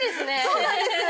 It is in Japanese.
そうなんです。